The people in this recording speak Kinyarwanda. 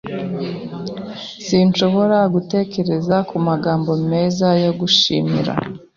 Sinshobora gutekereza kumagambo meza yo gushimira.